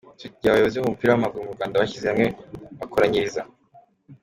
Icyo gihe abayobozi b’umupira w’amaguru mu Rwanda bishyize hamwe bakoranyiriza